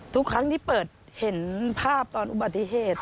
ทุกครั้งที่เปิดเห็นภาพตอนอุบัติเหตุ